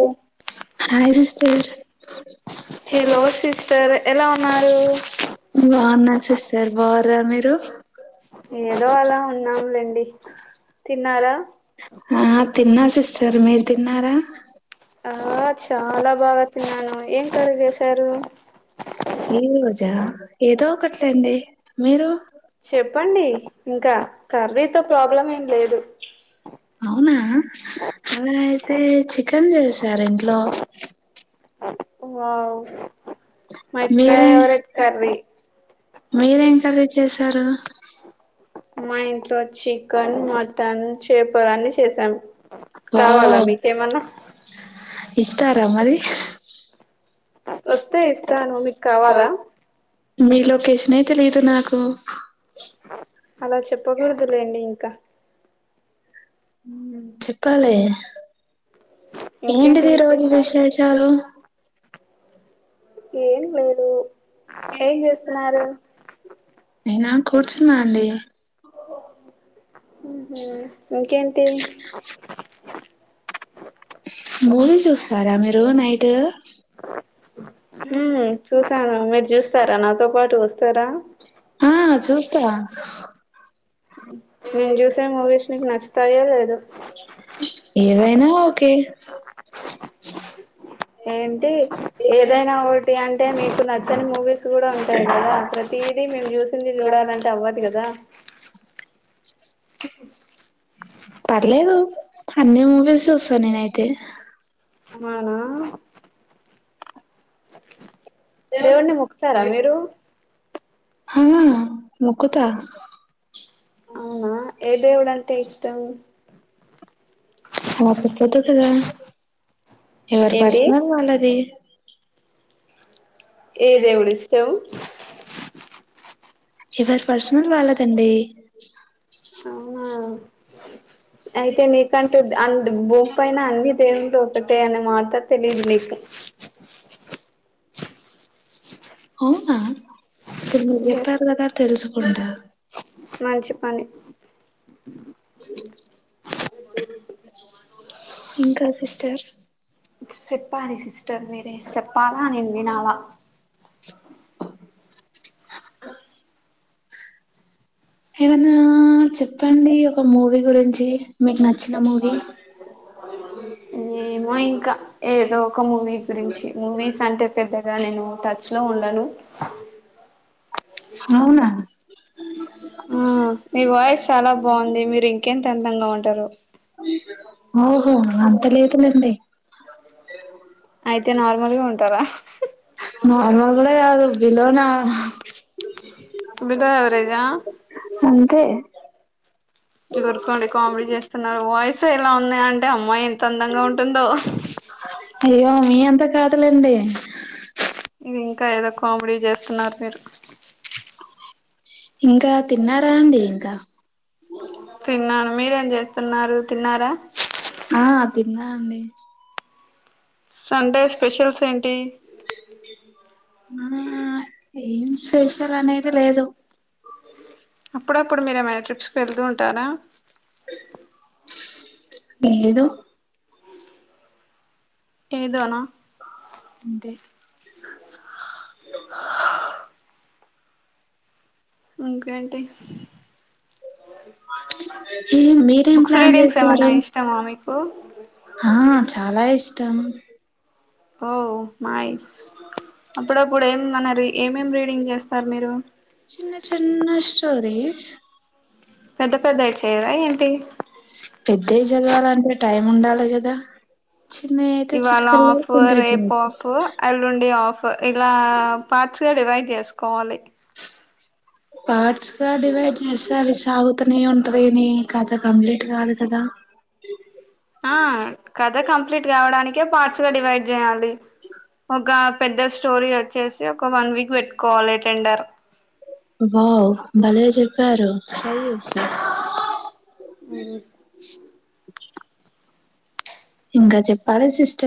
ఓ hi sister hello sister ఎలా ఉన్నారు బాగున్నాను సిస్టర్ బాగున్నర మీరు ఏదో అలా ఉన్నాంలేండి తిన్నారా ఆ తిన్నా సిస్టర్ రు మీరు తిన్నారా ఆ చాలా బాగా తిన్నాను ఏం కరి చేసారు ఏ రోజా ఏదో ఒక కటి తండి చెప్పండి ఇంకా కర్రీతో ప్రాబ్లం ఏం లేదు అవునా అ అయితే చి కెన్ చేసార ఇంట్లో వావ్ మై మీరే ఫేవరెట్ కర్రీ మీరేం కర్రీ చేస చేశారు మా ఇంట్లో చికెన్ మటన్ చేప లు అన్ని చేసాం కావాలా వావ్ మీకేమన్నా? ఇస్తారా మరి? వస్తే ఇస్తాను మీకు కావాలా మీ లొకేషమ్ ఎ తెలిదు నాకు అలా చెప్పకూడదులేండి ఇంకా మ్మ్ చెప్పాలి ఇంకేంటి ఏంటిది ఈ రోజు విశేషాలు విశేషాలు ఏం లేదు ఏం చేస్తున్నారు నేనా కూర్చున్న అండి ఉహు ఇంకేంటి మూవి చూస్తారా మీరు నైట్? స్తారా నాతో పాటు వస్తారా ఆ చూస్థా నేను చూసే మూవీస్ నికు నచ్చతాయో లేదో ఏవైనా ఓకె ఏంటి ఏదైనా ఒకటి అంటే మీకు నచ్చని మూవీస్ కూడా ఉంటాయి కదా ప్రతిదీ మేము చూసింది చూడాలంటే అవ్వదు కదా పర్లేదు అన్ని మూవీస్ చూస్తాను నేనైతే అవునా దేవున్నీ మొక్కుతారా మీరు? హావును ముక్కుత త [unintelligible] హ అలా చెపొదు కదా ఎవరు ఏంటి పర్సనల్ వాళ్ళది ఏ దేవుడు ఇష్టం? ఎవరి పర్సనల్ వాళ్ళదండి అవునా అయితే నీ కంటే ఆళ్ళు భూమి పైన అన్ని దేవుడు ఒకటే అనే మాట తెలీదు నీకు అవునా [unintelligible] తెలుసుకుంటా మంచి పని ఇంకా సిస్టర్ సిస్టిర్నె మీర్ సెప్పాలా నేన్ వినాలా ఏమన్న చెప్పండి ఒక మూవీ గురించి మీకు నచ్చిన మూవీ ఏమో ఇంక ఏదో ఒక మూవీ గురించి మూవీస్ అంటే పెద్దగా నేను ట [unintelligible] అవునా ఆ మీ వాయిస్ సరే ఓహో అంత లేదులెండి అయితే నార్మల్గా ఉంటారా నార్మల్ కూడా కాదు బిలో నార్మల్ బిలో యావరేజా అంతే ఎగురుకోండి కామెడీ చేస్తున్నారు వాయిస్ ఎలా ఉంది అంటే అమ్మాయి ఎంత అందంగా ఉంటుందో అయ్యో మీ అంతా కాదులెండి ఇది ఇంకా ఏదో కామెడీ చేస్తున్నారు మీరు ఇంకా తిన్నారా అండి ఇంకా తిన్నాను మీరేం చేస్తున్నారు తిన్నారా ఆ తిన్నా అండి సండే స్పెషల్స్ ఏంటి ఆ ఏం స్పెషల్ అనేది లేదు అప్పుడప్పుడు మీరు ఏమైనా ట్రిప్స్ కు వెళ్తూ ఉంటారా ఏదో ఏదోనా అంత ఇంకేంటి ఏ మీరేం ప్లాన్ చేసారు ఆ ఆ చాలా ఇష్టం ఓ మైస్ అప్పుడప్పుడు ఏం మన ఏమేం రీడింగ్ చేస్తారు మీరు చిన్న చిన్న స్టోరీస్ పెద్ద పెద్దవి చేయరా ఏంటి పెద్దవి చదవాలంటే టైం ఉండాలి కదా చిన్నయి అయితే ఇవాళ చిటికల్లో ఆఫ్ కంప్లీట్ రేప్ చేయొచ్చు ఆఫ్ ఎల్లుండి ఆఫ్ ఇలా పార్ట్స్గా డివైడ్ చేసుకోవాలి పార్ట్స్ గా డివైడ్ చేస్తే అవి సాగుతూనే ఉంటది నీ కథ కంప్లీట్ కాదు కదా ఆ కథ కంప్లీట్ కావడానికే పార్ట్స్ గా డివైడ్ చేయాలి ఒక పెద్ద స్టోరీ వచ్చేసి ఒక వన్ వీక్ పెట్టుకోవాలి అటెండర్ వావ్ భలే చె ప్పారు ట్రై చేస్తా ఇ ఇంకా చెప్పాలి సిస్టర్